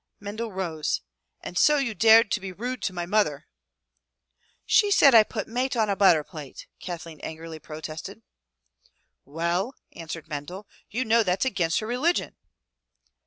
Mendel rose. "And so you dared to be rude to my mother!" "She said I put mate on a butther plate," Kathleen angrily protested. "Well," answered Mendel, "you know that's against her religion."